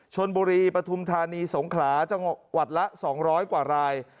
ชนบุรีปฐุมธานีสงขลาจังหวัดละ๒๐๐กว่าราย